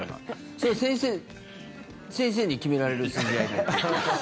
それは先生に決められる筋合いでもないし。